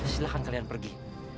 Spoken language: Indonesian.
silahkan kalian pergi